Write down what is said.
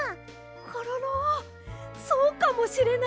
コロロそうかもしれないですね。